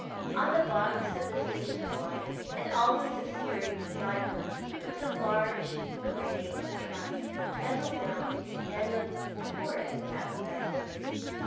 On the box of the station fly, and almost obscuring tlie driver, was a large grey trunk, metal bound, and of foreign aspect.